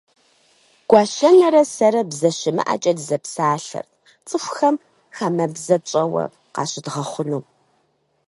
Гуащэнэрэ сэрэ, бзэ щымыӏэкӏэ дызэпсалъэрт, цӏыхухэм хамэбзэ тщӏэуэ къащыдгъэхъуну.